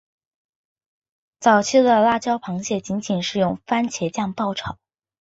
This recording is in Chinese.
早期的辣椒螃蟹仅仅是用番茄酱爆炒。